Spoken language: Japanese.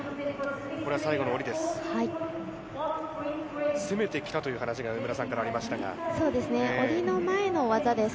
これは最後の降りです。